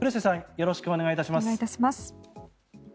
よろしくお願いします。